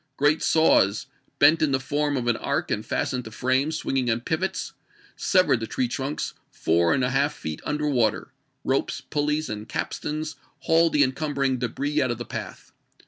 Great saws, bent in the form of an arc and fastened to frames swing ing on pivots, severed the tree trunks four and a half feet under water ; ropes, puUeys, and capstans hauled the encumbering debris out of the path.